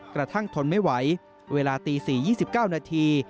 กระทั่งทนไม่ไหวเวลาตีสี่ยี่สิบเก้านาที